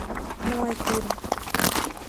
No hay cura.